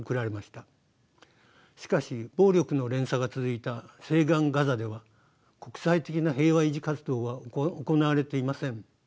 しかし暴力の連鎖が続いた西岸ガザでは国際的な平和維持活動は行われていません。